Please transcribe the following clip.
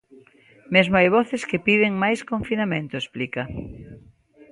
"Mesmo hai voces que piden máis confinamento", explica.